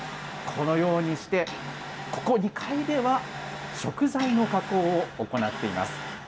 このようにして、ここ２階では、食材の加工を行っています。